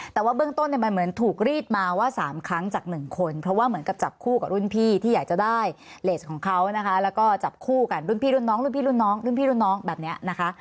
แต่ว่าเบื้องต้นเนี่ยมันเหมือนถูกรีดมาว่า๓ครั้งจาก๑คนเพราะว่าเหมือนกับจับคู่กับรุ่นพี่ที่อยากจะได้เลสของเขานะคะแล้วก็จับคู่กันรุ่นพี่รุ่นน้องรุ่นพี่รุ่นน้องรุ่นพี่รุ่นน้องแบบนี้นะคะ